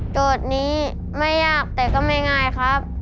โจทย์นี้ไม่ยากแต่ก็ไม่ง่ายครับ